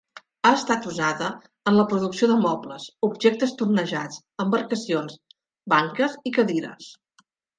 Ha estat usada en la producció de mobles, objectes tornejats, embarcacions, banques i cadires.